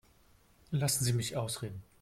Lassen Sie mich ausreden.